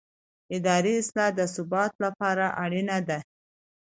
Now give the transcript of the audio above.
اداري اصلاح د ثبات لپاره اړینه ده